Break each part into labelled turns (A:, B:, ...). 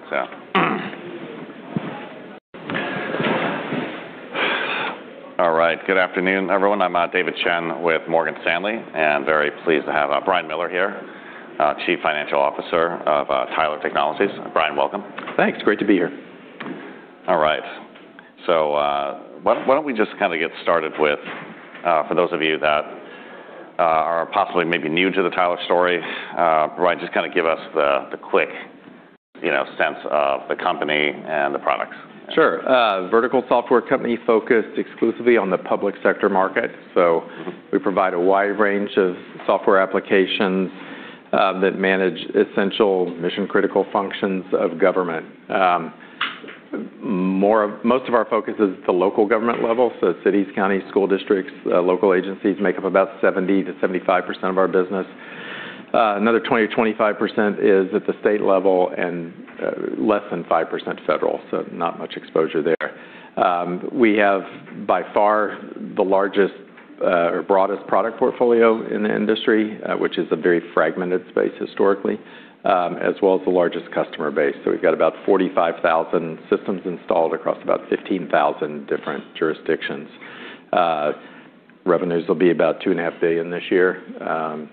A: That's that. All right. Good afternoon, everyone. I'm David Chen with Morgan Stanley. Very pleased to have Brian Miller here, Chief Financial Officer of Tyler Technologies. Brian, welcome.
B: Thanks. Great to be here.
A: All right. why don't we just kinda get started with for those of you that are possibly maybe new to the Tyler story, Brian, just kinda give us the quick, you know, sense of the company and the products.
B: Sure. vertical software company focused exclusively on the public sector market.
A: Mm-hmm
B: We provide a wide range of software applications that manage essential mission-critical functions of government. Most of our focus is the local government level, so cities, counties, school districts. Local agencies make up about 70%-75% of our business. Another 20%-25% is at the state level and less than 5% federal, not much exposure there. We have by far the largest or broadest product portfolio in the industry, which is a very fragmented space historically, as well as the largest customer base. We've got about 45,000 systems installed across about 15,000 different jurisdictions. Revenues will be about $2.5 billion this year.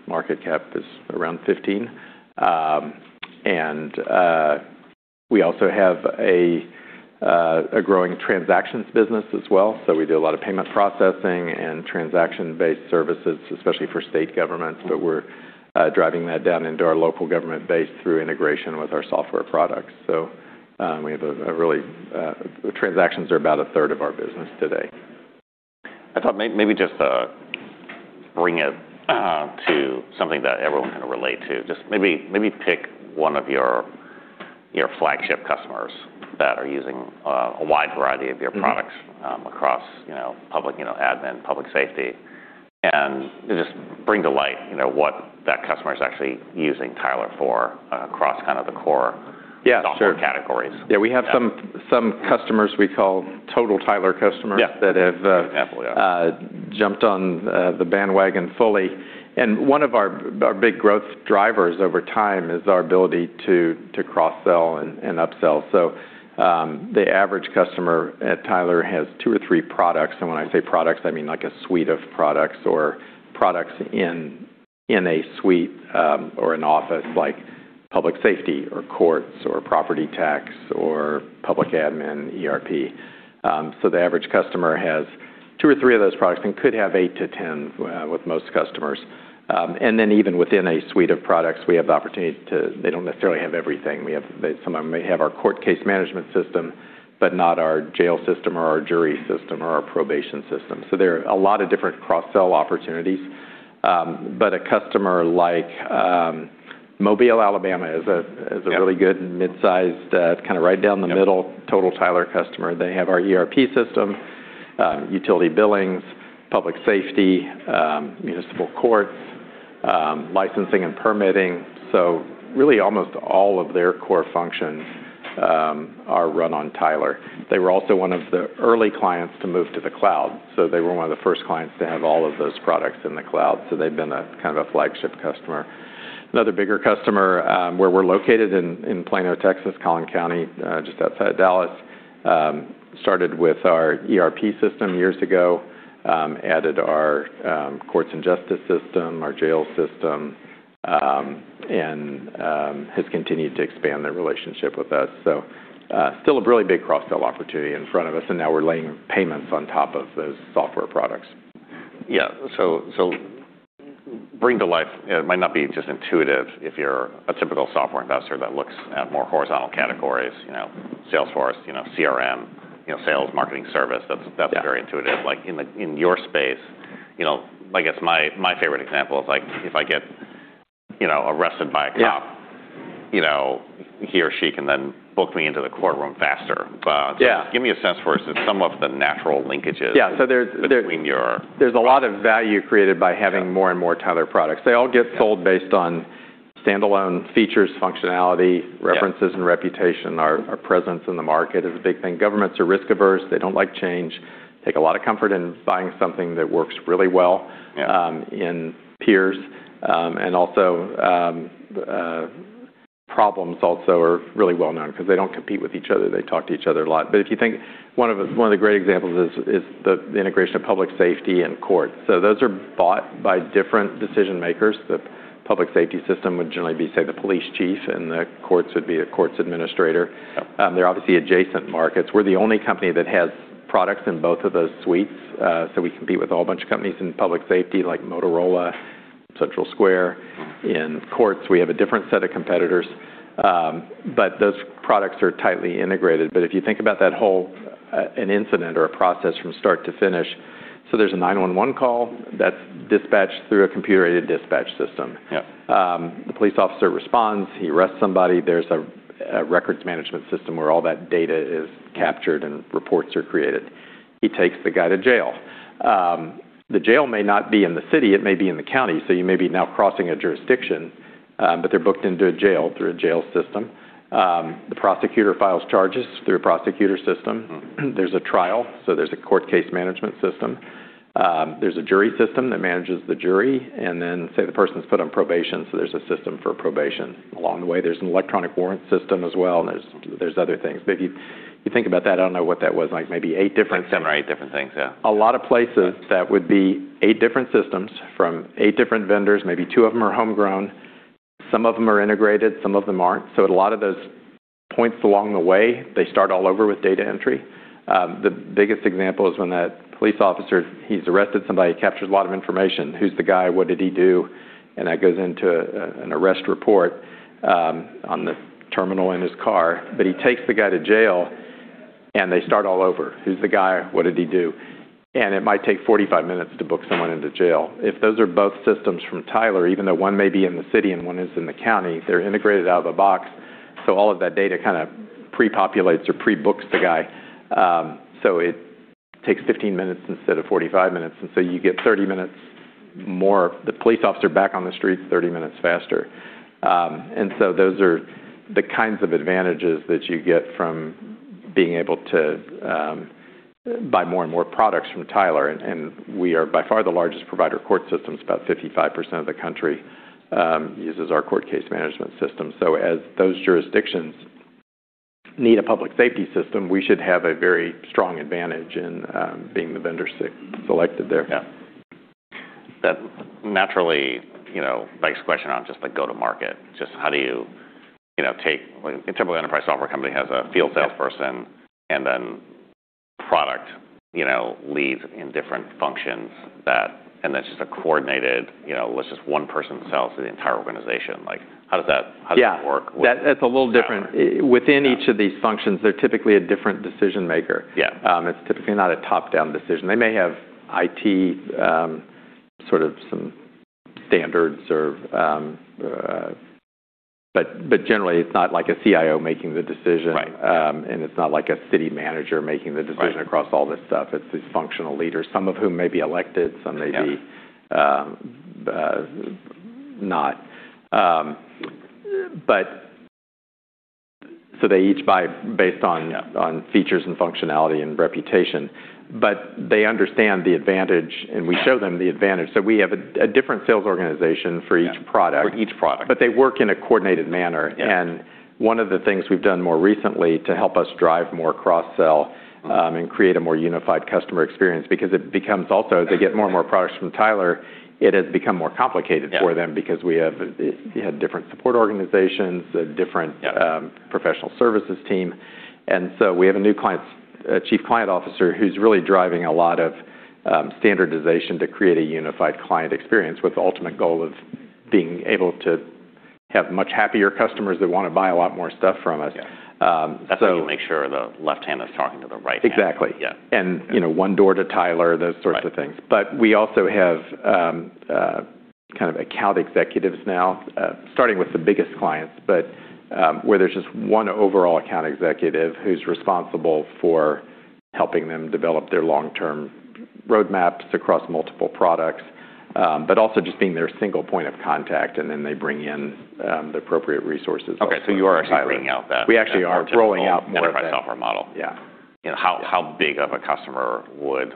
B: Market cap is around $15 billion. We also have a growing transactions business as well, so we do a lot of payment processing and transaction-based services, especially for state governments.
A: Mm-hmm
B: We're driving that down into our local government base through integration with our software products. Transactions are about a third of our business today.
A: I thought maybe just bring it to something that everyone can relate to. Just maybe pick one of your flagship customers that are using a wide variety of your products.
B: Mm-hmm
A: Across, you know, public, you know, admin, public safety, and just bring to light, you know, what that customer's actually using Tyler for across kind of the.
B: Yeah, sure.
A: Software categories.
B: Yeah, we have.
A: Yeah
B: Some customers we call total Tyler customers.
A: Yeah
B: That have,
A: Absolutely. Yeah
B: Jumped on the bandwagon fully. One of our big growth drivers over time is our ability to cross-sell and up-sell. The average customer at Tyler has two or three products. When I say products, I mean like a suite of products or products in a suite, or an office like public safety or courts or property tax or public admin, ERP. The average customer has two or three of those products and could have 8 to 10 with most customers. Even within a suite of products, we have the opportunity to. They don't necessarily have everything. Some of them may have our court case management system, but not our jail system or our jury system or our probation system. There are a lot of different cross-sell opportunities. A customer like Mobile, Alabama is a.
A: Yeah
B: Really good mid-sized, kind of right down the middle-
A: Yeah
B: Total Tyler customer. They have our ERP system, utility billings, public safety, municipal courts, licensing and permitting. Really almost all of their core functions are run on Tyler. They were also one of the early clients to move to the cloud, so they were one of the first clients to have all of those products in the cloud, so they've been a, kind of a flagship customer. Another bigger customer, where we're located in Plano, Texas, Collin County, just outside Dallas, started with our ERP system years ago, added our courts and justice system, our jail system, and has continued to expand their relationship with us. Still a really big cross-sell opportunity in front of us, and now we're laying payments on top of those software products.
A: Yeah. Bring to life, it might not be just intuitive if you're a typical software investor that looks at more horizontal categories, you know, Salesforce, you know, CRM, you know, sales, marketing service.
B: Yeah
A: That's very intuitive. Like, in your space, you know, I guess my favorite example is, like, if I get, you know, arrested by a cop.
B: Yeah
A: You know, he or she can then book me into the courtroom faster.
B: Yeah
A: So just give me a sense for some of the natural linkages.
B: Yeah. there's.
A: Between your-
B: There's a lot of value created by having.
A: Yeah
B: more and more Tyler products.
A: Yeah
B: Sold based on standalone features, functionality.
A: Yeah
B: References and reputation. Our presence in the market is a big thing. Governments are risk-averse. They don't like change. Take a lot of comfort in buying something that works really well.
A: Yeah
B: In peers. Also, problems also are really well-known 'cause they don't compete with each other. They talk to each other a lot. If you think one of the great examples is the integration of public safety and courts. Those are bought by different decision makers. The public safety system would generally be, say, the police chief, and the courts would be a courts administrator.
A: Yep.
B: They're obviously adjacent markets. We're the only company that has products in both of those suites. We compete with a whole bunch of companies in public safety, like Motorola, Central Square. In courts, we have a different set of competitors. Those products are tightly integrated. If you think about that whole, an incident or a process from start to finish, there's a 911 call that's dispatched through a Computer-Aided Dispatch system.
A: Yep.
B: The police officer responds. He arrests somebody. There's a records management system where all that data is captured and reports are created. He takes the guy to jail. The jail may not be in the city. It may be in the county, so you may be now crossing a jurisdiction, but they're booked into a jail through a jail system. The prosecutor files charges through a prosecutor system.
A: Mm-hmm.
B: There's a trial, so there's a court case management system. There's a jury system that manages the jury, and then say the person's put on probation, so there's a system for probation. Along the way, there's an electronic warrant system as well, and there's other things. If you think about that, I don't know what that was, like maybe eight.
A: Like 7 or 8 different things, yeah.
B: A lot of places that would be eight different systems from eight different vendors, maybe two of them are homegrown, some of them are integrated, some of them aren't. At a lot of those points along the way, they start all over with data entry. The biggest example is when a police officer, he's arrested somebody, captures a lot of information. Who's the guy? What did he do? That goes into an arrest report on the terminal in his car. He takes the guy to jail, and they start all over. Who's the guy? What did he do? It might take 45 minutes to book someone into jail. If those are both systems from Tyler, even though one may be in the city and one is in the county, they're integrated out of the box, so all of that data kind of pre-populates or pre-books the guy. It takes 15 minutes instead of 45 minutes, you get 30 minutes more. The police officer back on the streets 30 minutes faster. Those are the kinds of advantages that you get from being able to buy more and more products from Tyler, and we are by far the largest provider of court systems. About 55% of the country uses our court case management system. As those jurisdictions need a public safety system, we should have a very strong advantage in being the vendor selected there.
A: That naturally, you know, begs the question on just the go-to-market. Just how do you know, take... A typical enterprise software company has a field salesperson-
B: Yeah.
A: Then product, you know, leads in different functions that. That's just a coordinated, you know, let's just one person sells to the entire organization. Like, how does that work with.
B: Yeah. That, that's a little different.
A: Yeah.
B: Within each of these functions, they're typically a different decision maker.
A: Yeah.
B: It's typically not a top-down decision. They may have IT sort of some standards or. Generally, it's not like a CIO making the decision.
A: Right.
B: It's not like a city manager making the decision.
A: Right
B: Across all this stuff. It's these functional leaders, some of whom may be elected, some may be.
A: Yeah
B: Not. They each buy based on.
A: Yeah
B: On features and functionality and reputation. They understand the advantage, and we show them the advantage. We have a different sales organization for each product.
A: For each product.
B: They work in a coordinated manner.
A: Yeah.
B: One of the things we've done more recently to help us drive more cross-sell, and create a more unified customer experience, because it becomes also, as they get more and more products from Tyler, it has become more complicated for them.
A: Yeah
B: Because we had different support organizations.
A: Yeah
B: Professional services team. We have a new client, chief client officer who's really driving a lot of standardization to create a unified client experience with the ultimate goal of being able to have much happier customers that wanna buy a lot more stuff from us.
A: Yeah.
B: Um, so-
A: That's how you make sure the left hand is talking to the right hand.
B: Exactly.
A: Yeah.
B: You know, one door to Tyler, those sorts of things.
A: Right.
B: We also have kind of account executives now, starting with the biggest clients, but where there's just one overall account executive who's responsible for helping them develop their long-term roadmaps across multiple products, but also just being their single point of contact, and then they bring in the appropriate resources also from Tyler.
A: Okay. you are actually rolling out that-
B: We actually are rolling out more of that.
A: Typical enterprise software model.
B: Yeah.
A: How big of a customer would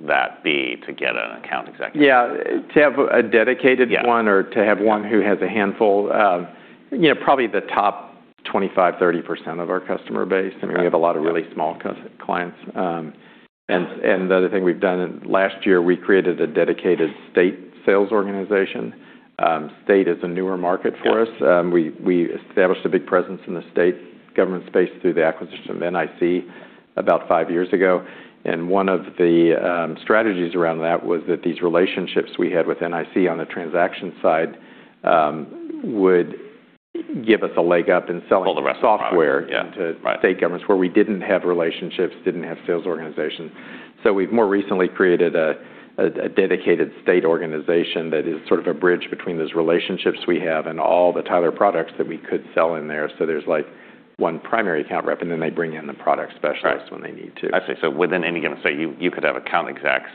A: that be to get an account executive?
B: Yeah. To have a dedicated one-
A: Yeah
B: Or to have one who has a handful, you know, probably the top 25%, 30% of our customer base.
A: Okay.
B: I mean, we have a lot of really small clients. The other thing we've done last year, we created a dedicated state sales organization. State is a newer market for us.
A: Yeah.
B: We established a big presence in the state government space through the acquisition of NIC about five years ago. One of the strategies around that was that these relationships we had with NIC on the transaction side, would give us a leg up in selling-.
A: All the rest of the products. Yeah.
B: Software to state governments where we didn't have relationships, didn't have sales organizations. We've more recently created a dedicated state organization that is sort of a bridge between those relationships we have and all the Tyler products that we could sell in there. There's, like, one primary account rep, and then they bring in the product specialist when they need to.
A: I see. Within any given state, you could have account execs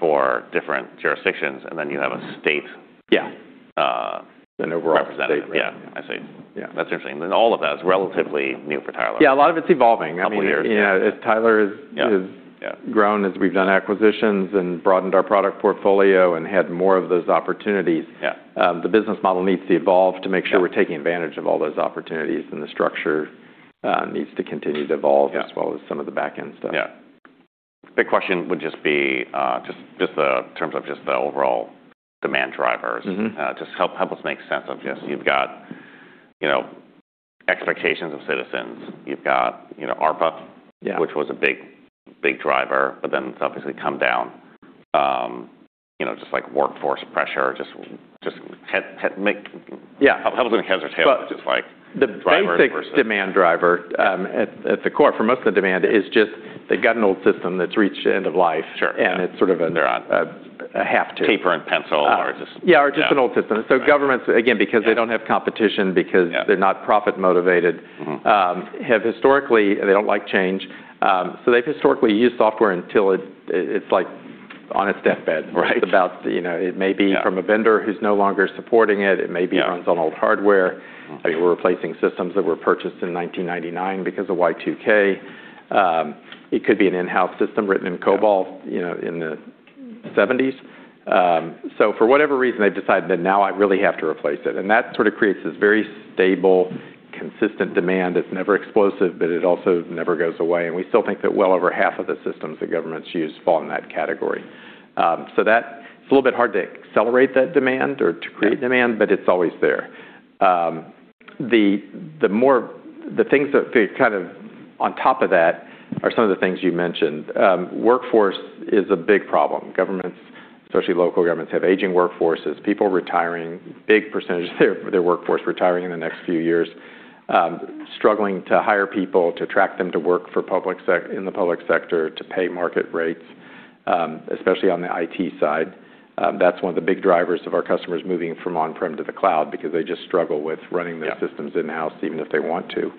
A: for different jurisdictions.
B: Yeah. An overall state rep.
A: Representative. Yeah. I see.
B: Yeah.
A: That's interesting. All of that is relatively new for Tyler.
B: Yeah, a lot of it's evolving. I mean.
A: A couple years.
B: You know, as Tyler has.
A: Yeah. Yeah.
B: Grown, as we've done acquisitions and broadened our product portfolio and had more of those opportunities.
A: Yeah
B: The business model needs to evolve to make sure.
A: Yeah
B: We're taking advantage of all those opportunities, and the structure needs to continue to evolve-
A: Yeah
B: As well as some of the back-end stuff.
A: Yeah. Big question would just be, just the terms of just the overall demand drivers.
B: Mm-hmm.
A: Just help us make sense of just you've got, you know, expectations of citizens. You've got, you know, ARPA.
B: Yeah
A: Which was a big, big driver. It's obviously come down. You know, just like workforce pressure, just head.
B: Yeah.
A: Help us with the heads or tails of just, like, the drivers.
B: The basic demand driver, at the core for most of the demand is just they've got an old system that's reached end of life.
A: Sure. Yeah.
B: It's sort of.
A: They're on-.
B: A have to.
A: Paper and pencil or just-
B: Yeah, or just an old system.
A: Yeah.
B: Governments, again, because they don't have competition, because they're not profit motivated-
A: Mm-hmm
B: Have historically... They don't like change. They've historically used software until it's like on its deathbed.
A: Right.
B: It's about, you know, it may be from a vendor who's no longer supporting it.
A: Yeah.
B: It maybe runs on old hardware.
A: Okay.
B: Like we're replacing systems that were purchased in 1999 because of Y2K. It could be an in-house system written in COBOL, you know, in the 1970s. For whatever reason, they've decided that now I really have to replace it, and that sort of creates this very stable, consistent demand that's never explosive, but it also never goes away. We still think that well over half of the systems that governments use fall in that category. It's a little bit hard to accelerate that demand or to create demand.
A: Yeah.
B: It's always there. The things that fit kind of on top of that are some of the things you mentioned. Workforce is a big problem. Governments, especially local governments, have aging workforces, people retiring, big percentage of their workforce retiring in the next few years. Struggling to hire people, to attract them to work for in the public sector, to pay market rates, especially on the IT side. That's one of the big drivers of our customers moving from on-prem to the cloud because they just struggle with.
A: Yeah.
B: Their systems in-house even if they want to.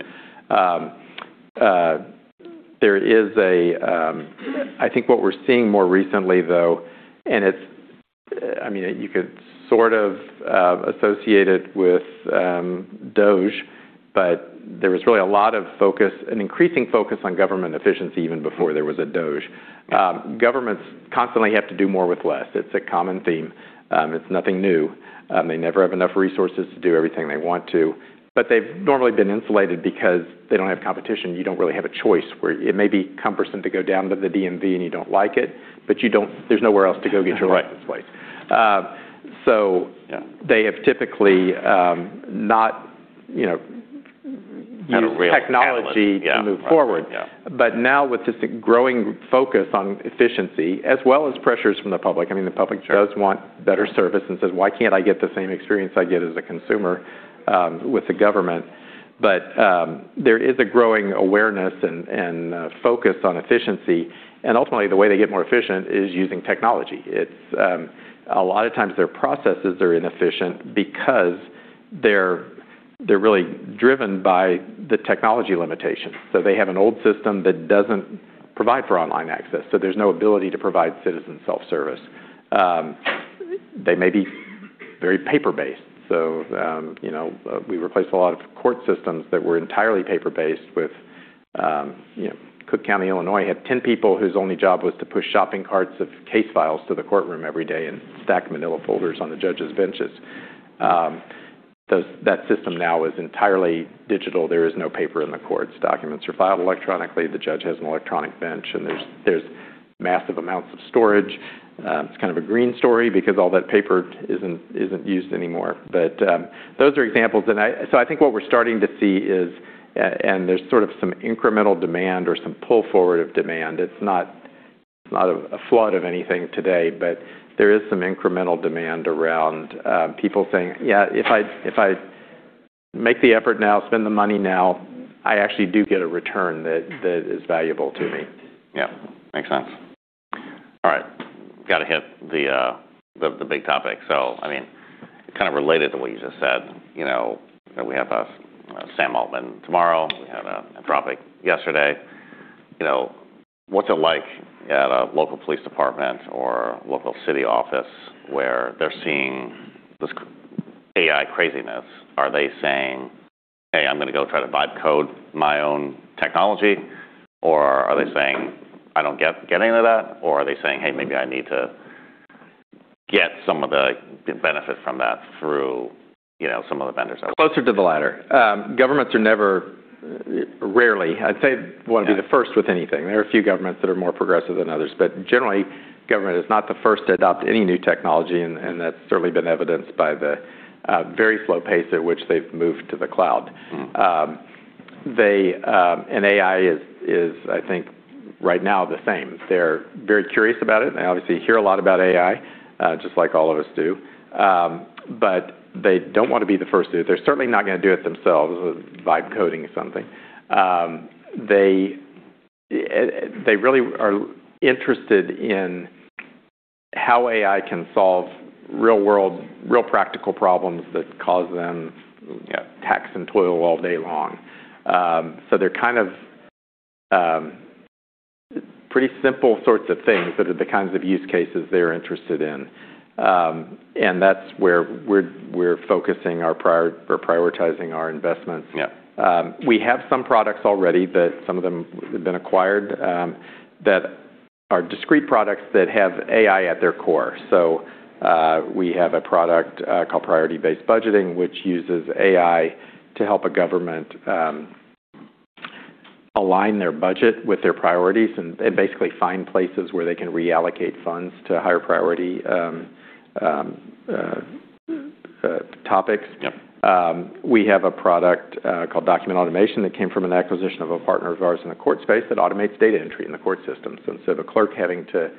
B: I think what we're seeing more recently, though, I mean, you could sort of associate it with DOGE. There was really a lot of focus, an increasing focus on government efficiency even before there was a DOGE.
A: Yeah.
B: Governments constantly have to do more with less. It's a common theme. It's nothing new. They never have enough resources to do everything they want to, but they've normally been insulated because they don't have competition. You don't really have a choice, where it may be cumbersome to go down to the DMV, and you don't like it, but there's nowhere else to go get your license plate.
A: Right.
B: Um, so-
A: Yeah.
B: They have typically, not, you know, used technology-
A: Had a real catalyst. Yeah.
B: To move forward.
A: Yeah.
B: Now with just a growing focus on efficiency as well as pressures from the public, I mean, the public does want better service and says, "Why can't I get the same experience I get as a consumer with the government?" There is a growing awareness and focus on efficiency, and ultimately, the way they get more efficient is using technology. It's a lot of times their processes are inefficient because they're really driven by the technology limitations. They have an old system that doesn't provide for online access, so there's no ability to provide citizen self-service. They may be very paper-based. You know, we replaced a lot of court systems that were entirely paper-based with, you know... Cook County, Illinois, had 10 people whose only job was to push shopping carts of case files to the courtroom every day and stack manila folders on the judges' benches. That system now is entirely digital. There is no paper in the courts. Documents are filed electronically. The judge has an electronic bench, and there's massive amounts of storage. It's kind of a green story because all that paper isn't used anymore. Those are examples. I think what we're starting to see is... and there's sort of some incremental demand or some pull forward of demand. It's not, it's not a flood of anything today, but there is some incremental demand around, people saying, "Yeah, if I, if I make the effort now, spend the money now, I actually do get a return that is valuable to me.
A: Yeah. Makes sense. All right. Gotta hit the big topic. I mean, kind of related to what you just said, you know, that we have Sam Altman tomorrow. We had Anthropic yesterday. You know, what's it like at a local police department or local city office where they're seeing this AI craziness? Are they saying, "Hey, I'm gonna go try to vibe coding my own technology"? Or are they saying, "I don't get any of that"? Or are they saying, "Hey, maybe I need to get some of the benefit from that through, you know, some of the vendors out there"?
B: Closer to the latter. Governments are never, rarely, I'd say, wanna be the first with anything. There are a few governments that are more progressive than others. Generally, government is not the first to adopt any new technology, and that's certainly been evidenced by the very slow pace at which they've moved to the cloud.
A: Mm-hmm.
B: AI is I think right now the same. They're very curious about it, and they obviously hear a lot about AI, just like all of us do. They don't want to be the first to do it. They're certainly not gonna do it themselves with vibe coding or something. They really are interested in how AI can solve real-world, real practical problems that cause them, you know, tax and toil all day long. They're kind of, pretty simple sorts of things that are the kinds of use cases they're interested in. That's where we're prioritizing our investments.
A: Yeah.
B: We have some products already that some of them have been acquired, that are discrete products that have AI at their core. We have a product called Priority-Based Budgeting, which uses AI to help a government align their budget with their priorities and basically find places where they can reallocate funds to higher priority topics.
A: Yep.
B: We have a product called Document Automation that came from an acquisition of a partner of ours in the court space that automates data entry in the court systems. Instead of a clerk having to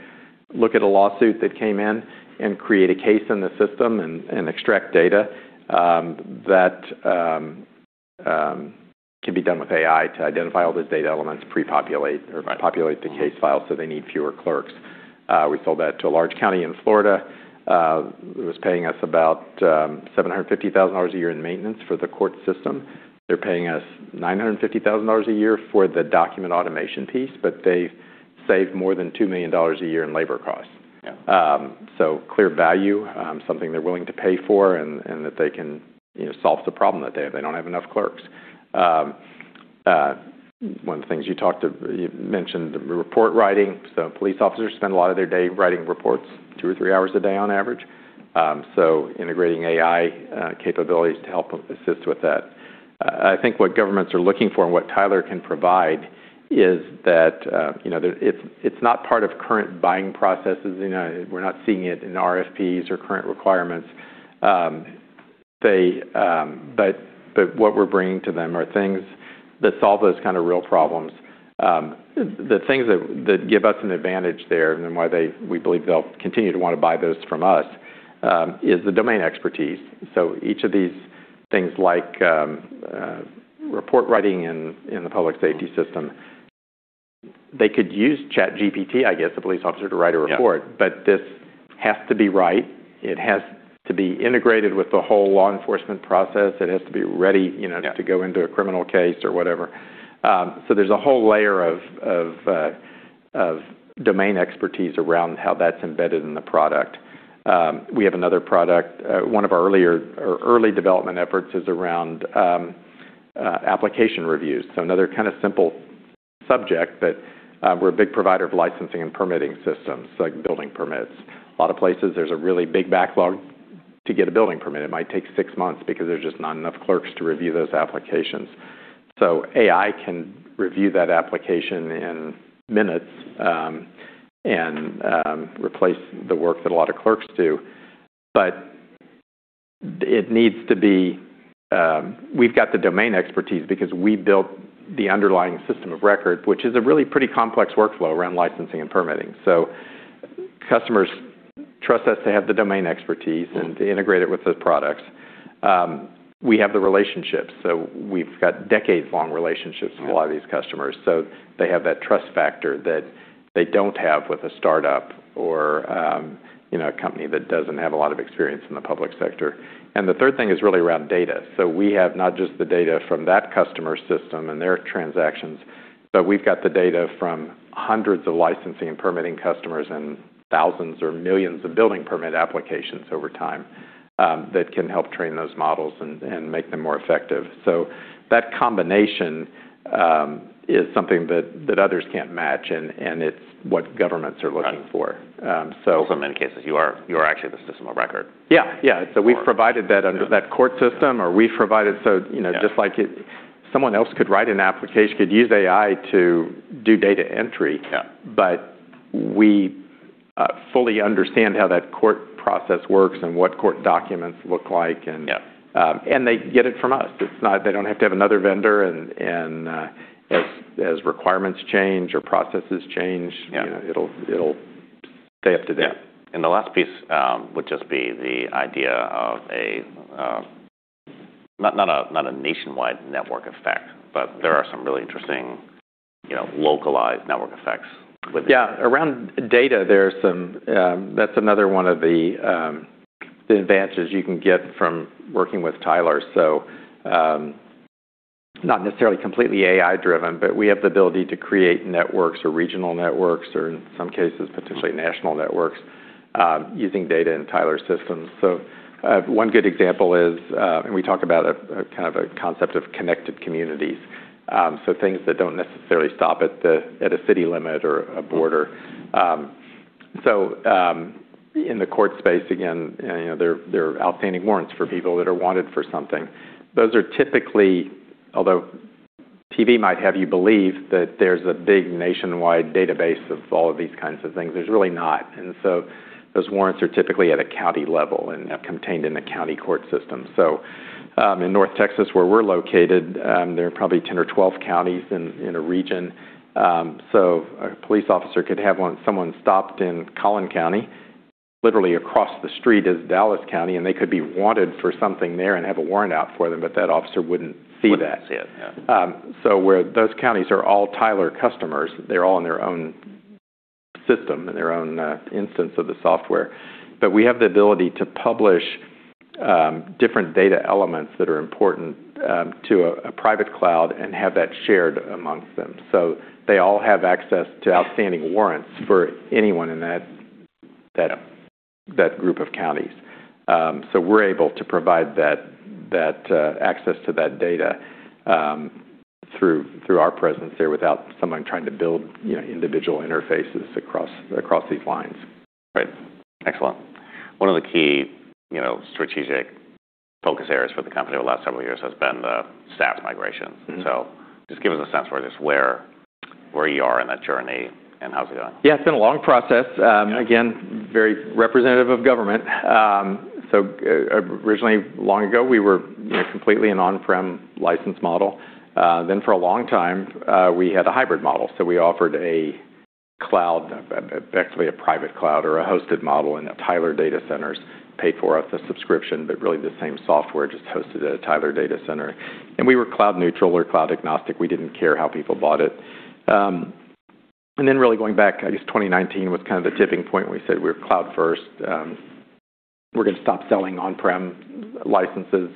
B: look at a lawsuit that came in and create a case in the system and extract data, that can be done with AI to identify all the data elements, pre-populate or populate-.
A: Right.
B: The case files so they need fewer clerks. We sold that to a large county in Florida. It was paying us about $750,000 a year in maintenance for the court system. They're paying us $950,000 a year for the Document Automation piece, but they've saved more than $2 million a year in labor costs.
A: Yeah.
B: Clear value, something they're willing to pay for and that they can, you know, solve the problem that they have. They don't have enough clerks. One of the things you mentioned the report writing. Police officers spend a lot of their day writing reports, two or three hours a day on average. Integrating AI capabilities to help them assist with that. I think what governments are looking for and what Tyler can provide is that, you know, it's not part of current buying processes. You know, we're not seeing it in RFPs or current requirements. What we're bringing to them are things that solve those kind of real problems. The things that give us an advantage there and why we believe they'll continue to wanna buy those from us is the domain expertise. Each of these things like report writing in the public safety system, they could use ChatGPT, I guess, a police officer to write a report.
A: Yeah.
B: This has to be right. It has to be integrated with the whole law enforcement process. It has to be ready, you know...
A: Yeah
B: To go into a criminal case or whatever. There's a whole layer of domain expertise around how that's embedded in the product. We have another product. One of our early development efforts is around application reviews. Another kind of simple subject, we're a big provider of licensing and permitting systems, like building permits. A lot of places, there's a really big backlog to get a building permit. It might take six months because there's just not enough clerks to review those applications. AI can review that application in minutes and replace the work that a lot of clerks do. It needs to be. We've got the domain expertise because we built the underlying system of record, which is a really pretty complex workflow around licensing and permitting. Customers trust us to have the domain expertise and to integrate it with those products. We have the relationships. We've got decades-long relationships-
A: Yeah
B: With a lot of these customers, so they have that trust factor that they don't have with a startup or, you know, a company that doesn't have a lot of experience in the public sector. The third thing is really around data. We have not just the data from that customer system and their transactions, but we've got the data from hundreds of licensing and permitting customers and thousands or millions of building permit applications over time, that can help train those models and make them more effective. That combination is something that others can't match and it's what governments are looking for.
A: Got it.
B: Um, so-
A: In many cases, you are actually the system of record.
B: Yeah. Yeah.
A: Or-
B: we've provided that under that court system, or we've provided... you know...
A: Yeah
B: Just like someone else could write an application, could use AI to do data entry.
A: Yeah.
B: We fully understand how that court process works and what court documents look like.
A: Yeah
B: and they get it from us. They don't have to have another vendor and, as requirements change or processes change.
A: Yeah
B: You know, it'll stay up to date.
A: Yeah. The last piece would just be the idea of a not a nationwide network effect, but there are some really interesting, you know, localized network effects.
B: Yeah. Around data, there are some, that's another one of the advantages you can get from working with Tyler. Not necessarily completely AI-driven, but we have the ability to create networks or regional networks or in some cases, potentially national networks, using data in Tyler systems. One good example is, and we talk about a kind of a concept of Connected Communities, so things that don't necessarily stop at a city limit or a border. In the court space, again, you know, there are outstanding warrants for people that are wanted for something. Those are typically... Although TV might have you believe that there's a big nationwide database of all of these kinds of things, there's really not. Those warrants are typically at a county level and contained in the county court system. In North Texas, where we're located, there are probably 10 or 12 counties in a region. A police officer could have someone stopped in Collin County. Literally across the street is Dallas County, and they could be wanted for something there and have a warrant out for them, but that officer wouldn't see that.
A: Wouldn't see it. Yeah.
B: Where those counties are all Tyler customers, they're all in their own system, in their own instance of the software. We have the ability to publish different data elements that are important to a private cloud and have that shared amongst them. They all have access to outstanding warrants for anyone in that group of counties. We're able to provide that access to that data through our presence there without someone trying to build, you know, individual interfaces across these lines.
A: Right. Excellent. One of the key, you know, strategic focus areas for the company over the last several years has been the SaaS migration.
B: Mm-hmm.
A: Just give us a sense for just where you are in that journey and how's it going?
B: Yeah. It's been a long process.
A: Yeah
B: Again, very representative of government. Originally, long ago, we were, you know, completely an on-prem license model. For a long time, we had a hybrid model. We offered a cloud, actually a private cloud or a hosted model in the Tyler data centers, paid for with a subscription, but really the same software just hosted at a Tyler data center. We were cloud neutral or cloud agnostic. We didn't care how people bought it. Then really going back, I guess 2019 was kind of the tipping point when we said we're cloud first. We're gonna stop selling on-prem licenses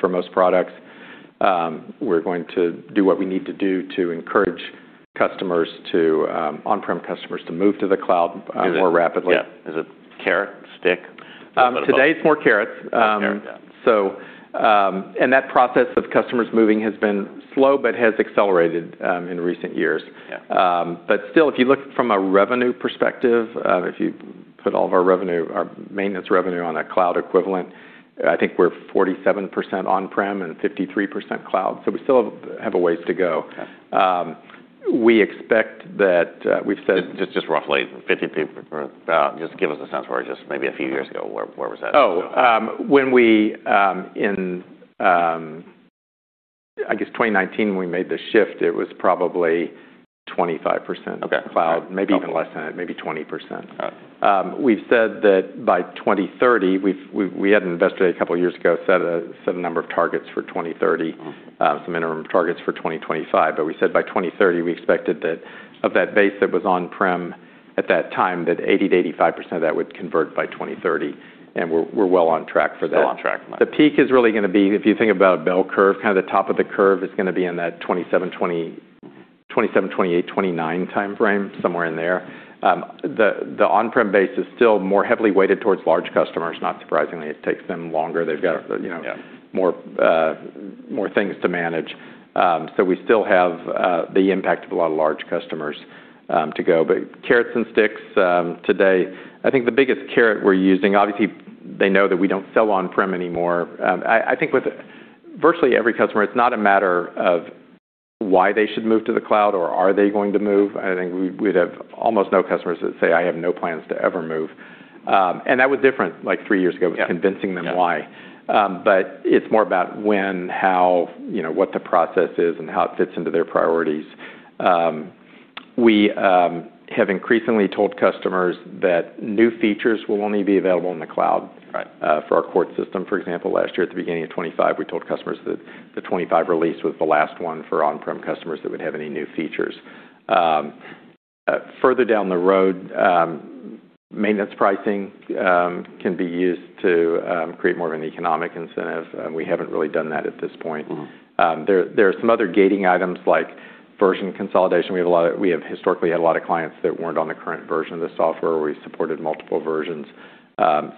B: for most products. We're going to do what we need to do to encourage customers to, on-prem customers to move to the cloud more rapidly.
A: Yeah. Is it carrot, stick?
B: Today it's more carrots. That process of customers moving has been slow but has accelerated in recent years.
A: Yeah.
B: Still, if you look from a revenue perspective, if you put all of our revenue, our maintenance revenue on a cloud equivalent, I think we're 47% on-prem and 53% cloud. We still have a ways to go. We expect that.
A: Just roughly 50 people or about. Just give us a sense where just maybe a few years ago, where was that?
B: Oh. When we, in, I guess 2019 when we made the shift, it was probably 25%-
A: Okay
B: Cloud, maybe even less than that, maybe 20%.
A: Got it.
B: We've said that by 2030, We had an investor day two years ago, set a number of targets for 2030. Some minimum targets for 2025. We said by 2030 we expected that of that base that was on-prem at that time, that 80%-85% of that would convert by 2030, and we're well on track for that.
A: Still on track.
B: The peak is really gonna be, if you think about bell curve, kind of the top of the curve is gonna be in that 2027, 2028, 2029 timeframe, somewhere in there. The, the on-prem base is still more heavily weighted towards large customers, not surprisingly. It takes them longer.
A: Sure. Yeah.
B: You know, more, more things to manage. We still have the impact of a lot of large customers to go. Carrots and sticks, today, I think the biggest carrot we're using, obviously, they know that we don't sell on-prem anymore. I think with virtually every customer, it's not a matter of why they should move to the cloud or are they going to move. I think we'd have almost no customers that say, "I have no plans to ever move." That was different, like three years ago...
A: Yeah
B: Convincing them why. It's more about when, how, you know, what the process is and how it fits into their priorities. We have increasingly told customers that new features will only be available in the cloud-
A: Right
B: For our court system. For example, last year at the beginning of 25, we told customers that the 25 release was the last one for on-prem customers that would have any new features. Further down the road, maintenance pricing can be used to create more of an economic incentive, and we haven't really done that at this point.
A: Mm-hmm.
B: There are some other gating items like version consolidation. We have historically had a lot of clients that weren't on the current version of the software. We supported multiple versions.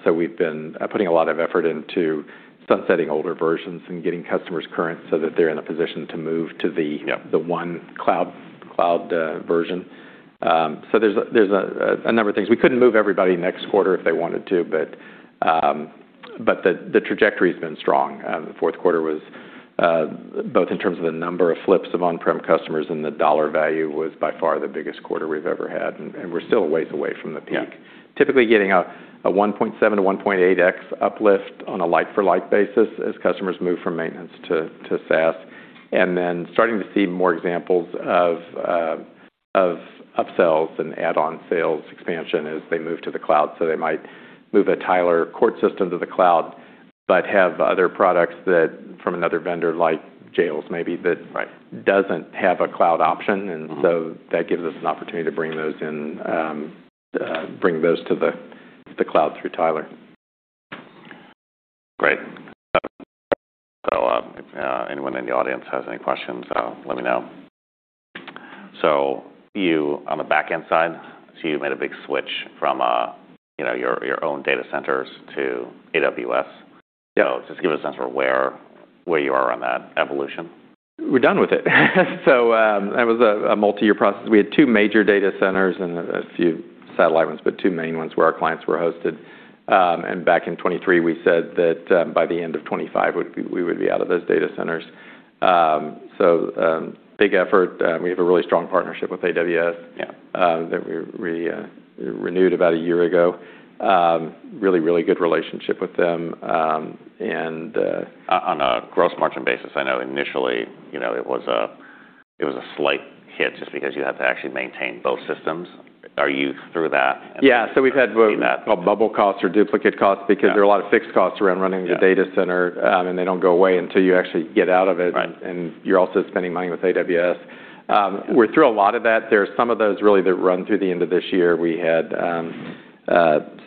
B: We've been putting a lot of effort into sunsetting older versions and getting customers current so that they're in a position to move to the.
A: Yeah
B: The one cloud version. There's a number of things. We couldn't move everybody next quarter if they wanted to, but the trajectory's been strong. The Q4 was both in terms of the number of flips of on-prem customers and the dollar value was by far the biggest quarter we've ever had, and we're still a ways away from the peak.
A: Yeah.
B: Typically getting a 1.7x-1.8x uplift on a like for like basis as customers move from maintenance to SaaS. Starting to see more examples of upsells and add-on sales expansion as they move to the cloud. They might move a Tyler court system to the cloud, but have other products that from another vendor like Jails maybe.
A: Right
B: Doesn't have a cloud option.
A: Mm-hmm.
B: That gives us an opportunity to bring those in, bring those to the cloud through Tyler.
A: Great. If anyone in the audience has any questions, let me know. You on the backend side, you made a big switch from, you know, your own data centers to AWS. You know, just give us a sense for where you are on that evolution.
B: We're done with it. It was a multi-year process. We had two major data centers and a few satellite ones, but two main ones where our clients were hosted. Back in 2023, we said that by the end of 2025, we would be out of those data centers. Big effort. We have a really strong partnership with AWS-
A: Yeah
B: That we renewed about a year ago. Really good relationship with them.
A: On a gross margin basis, I know initially, you know, it was a slight hit just because you have to actually maintain both systems. Are you through that and-?
B: Yeah. We've had what we call bubble costs or duplicate costs because-
A: Yeah
B: There are a lot of fixed costs around running the data center.
A: Yeah
B: They don't go away until you actually get out of it.
A: Right.
B: You're also spending money with AWS. We're through a lot of that. There are some of those really that run through the end of this year. We had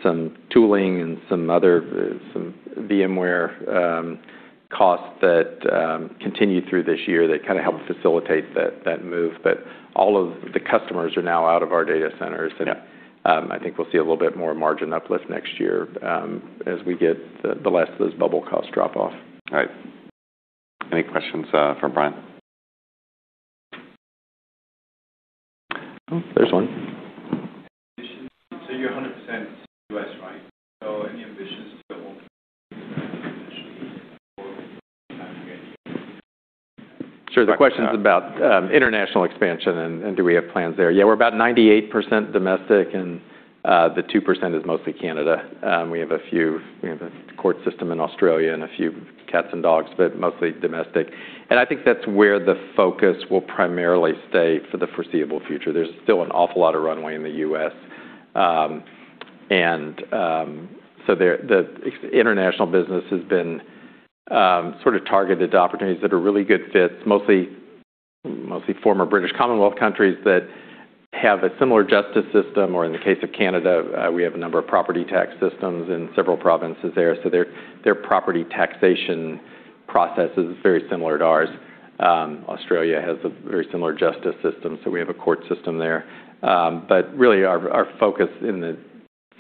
B: some tooling and some other some VMware costs that continue through this year that kind of help facilitate that move. All of the customers are now out of our data centers.
A: Yeah
B: I think we'll see a little bit more margin uplift next year, as we get the last of those bubble costs drop off.
A: All right. Any questions for Brian? Oh, there's one.
C: You're 100% U.S., right? Any ambitions to go internationally?
B: Sure. The question's about international expansion and do we have plans there. Yeah, we're about 98% domestic and the 2% is mostly Canada. We have a few, you know, court system in Australia and a few cats and dogs, but mostly domestic. I think that's where the focus will primarily stay for the foreseeable future. There's still an awful lot of runway in the U.S. The international business has been sort of targeted to opportunities that are really good fits, mostly former British Commonwealth countries that have a similar justice system, or in the case of Canada, we have a number of property tax systems in several provinces there. Their property taxation processes very similar to ours. Australia has a very similar justice system, so we have a court system there. Really our focus in the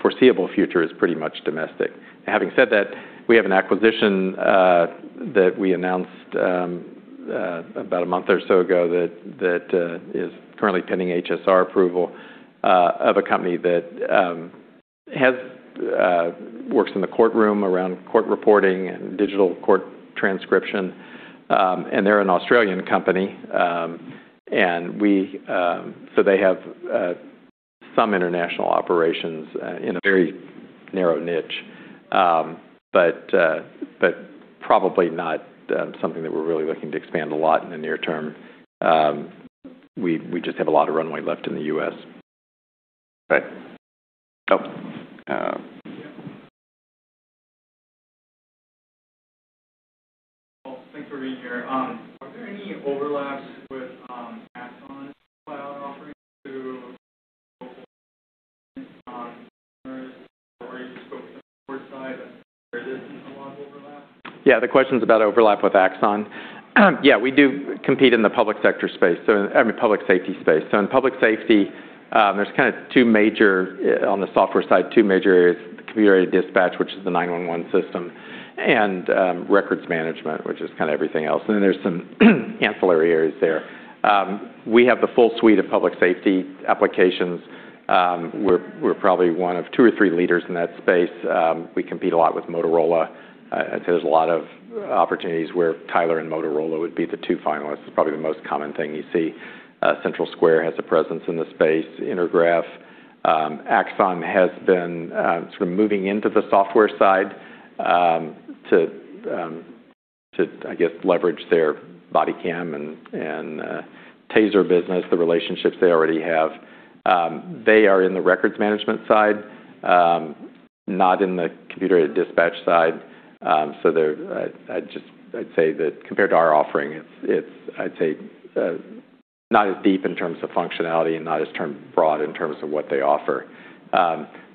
B: foreseeable future is pretty much domestic. Having said that, we have an acquisition that we announced about a month or so ago that is currently pending HSR approval of a company that works in the courtroom around court reporting and digital court transcription. They're an Australian company. They have some international operations in a very narrow niche. Probably not something that we're really looking to expand a lot in the near term. We just have a lot of runway left in the U.S..
C: Well, thanks for being here. Are there any overlaps with Axon's file offerings to
B: The question's about overlap with Axon. We do compete in the public sector space, public safety space. In public safety, there's kind of two major, on the software side, two major areas: Computer-Aided Dispatch, which is the 911 system, and Records management, which is kind of everything else. There's some ancillary areas there. We have the full suite of public safety applications. We're probably one of two or three leaders in that space. We compete a lot with Motorola. I'd say there's a lot of opportunities where Tyler and Motorola would be the two finalists. It's probably the most common thing you see. Central Square has a presence in the space, Intergraph. Axon has been sort of moving into the software side to, I guess, leverage their body cam and TASER business, the relationships they already have. They are in the Records management side, not in the Computer-Aided Dispatch side. I'd say that compared to our offering, it's, I'd say, not as deep in terms of functionality and not as broad in terms of what they offer.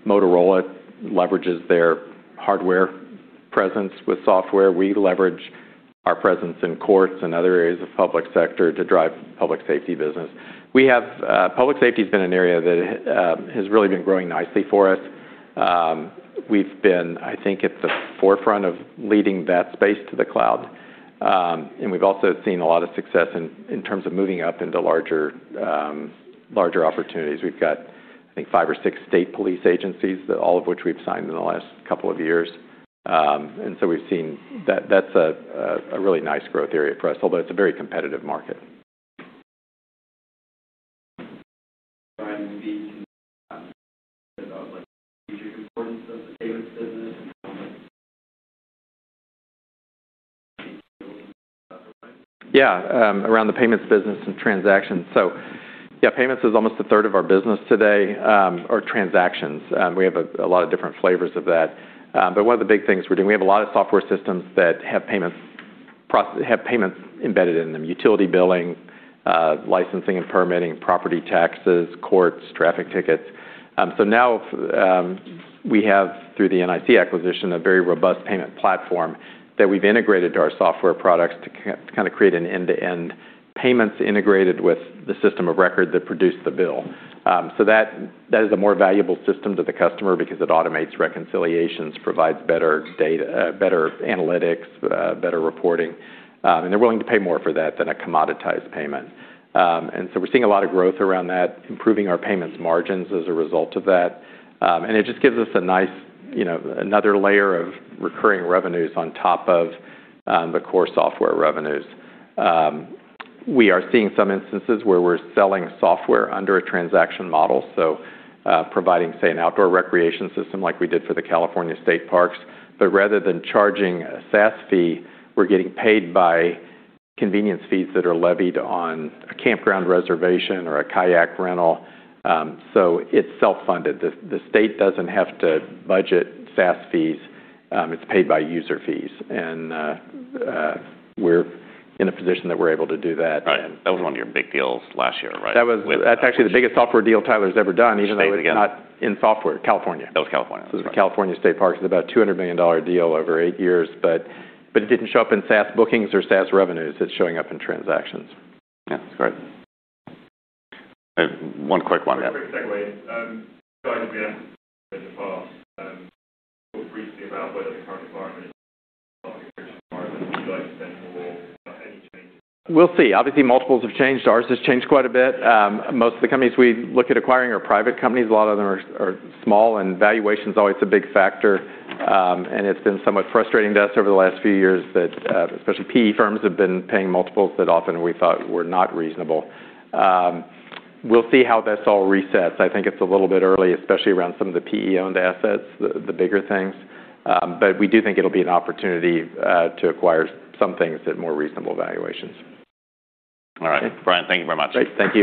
B: Motorola leverages their hardware presence with software. We leverage our presence in courts and other areas of public sector to drive public safety business. Public safety has been an area that has really been growing nicely for us. We've been, I think, at the forefront of leading that space to the cloud. We've also seen a lot of success in terms of moving up into larger opportunities. We've got, I think, five or six state police agencies that all of which we've signed in the last couple of years. That's a really nice growth area for us, although it's a very competitive market.
C: Brian, can you speak about, like, the future importance of the payments business and how, like
B: Around the payments business and transactions. Payments is almost a third of our business today, or transactions. We have a lot of different flavors of that. One of the big things we're doing, we have a lot of software systems that have payments embedded in them, utility billing, licensing and permitting, property taxes, courts, traffic tickets. Now, we have, through the NIC acquisition, a very robust payment platform that we've integrated to our software products to kinda create an end-to-end payments integrated with the system of record that produced the bill. That is a more valuable system to the customer because it automates reconciliations, provides better data, better analytics, better reporting. They're willing to pay more for that than a commoditized payment. So we're seeing a lot of growth around that, improving our payments margins as a result of that. It just gives us a nice, you know, another layer of recurring revenues on top of the core software revenues. We are seeing some instances where we're selling software under a transaction model, so providing, say, an outdoor recreation system like we did for the California State Parks. Rather than charging a SaaS fee, we're getting paid by convenience fees that are levied on a campground reservation or a kayak rental, so it's self-funded. The state doesn't have to budget SaaS fees. It's paid by user fees. We're in a position that we're able to do that.
A: Right. That was one of your big deals last year, right?
B: That's actually the biggest software deal Tyler's ever done, even though it's not in software.
A: Which state again?
B: California.
A: That was California. That's right.
B: The California State Parks is about $200 million deal over eight years, but it didn't show up in SaaS bookings or SaaS revenues. It's showing up in transactions.
A: That's great. One quick one.
C: Quick segue. Guys, again, in the past, talked briefly about whether the current environment. Would you like to spend more? Any changes?
B: We'll see. Obviously, multiples have changed. Ours has changed quite a bit. Most of the companies we look at acquiring are private companies. A lot of them are small, and valuation's always a big factor. It's been somewhat frustrating to us over the last few years that especially PE firms have been paying multiples that often we thought were not reasonable. We'll see how this all resets. I think it's a little bit early, especially around some of the PE-owned assets, the bigger things. We do think it'll be an opportunity to acquire some things at more reasonable valuations.
A: All right. Brian, thank you very much.
B: Great. Thank you.